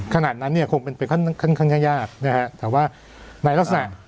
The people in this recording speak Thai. ขนาดนั้นเนี่ยคงเป็นขั้นยากนะฮะแต่ว่าไหนล่ะสนับ